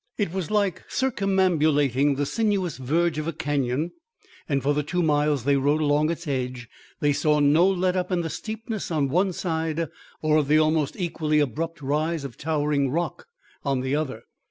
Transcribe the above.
It was like circumambulating the sinuous verge of a canyon; and for the two miles they rode along its edge they saw no let up in the steepness on one side or of the almost equally abrupt rise of towering rock on the other.